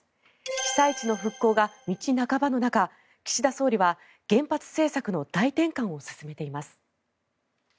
被災地の復興が道半ばの中岸田総理は原発政策の大転換を進めています。